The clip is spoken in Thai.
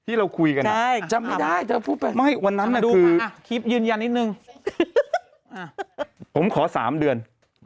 ที่เราคุยกันนะจำไม่ได้จะพูดไปมาดูค่ะคลิปยืนยันนิดนึงอ่าผมขอ๓เดือน